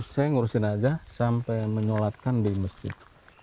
saya ngurusin aja sampai menyolatkan di masjid